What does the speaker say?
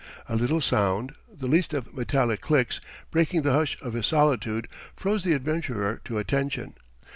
A little sound, the least of metallic clicks, breaking the hush of his solitude, froze the adventurer to attention.